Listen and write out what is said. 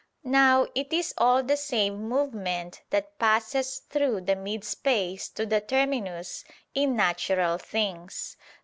Now it is all the same movement that passes through the mid space to the terminus, in natural things.